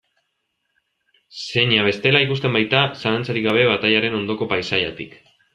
Zeina bestela ikusten baita, zalantzarik gabe, batailaren ondoko paisaiatik.